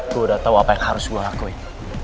gue udah tau apa yang harus gue akuin